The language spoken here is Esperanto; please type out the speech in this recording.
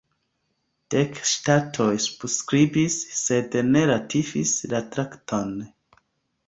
Dek ŝtatoj subskribis, sed ne ratifis la traktaton.